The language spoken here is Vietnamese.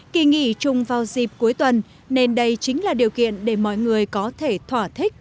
kỳ nghỉ chung vào dịp cuối tuần nên đây chính là điều kiện để mọi người có thể thỏa thích